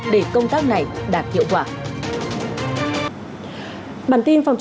để công tác này đạt hiệu quả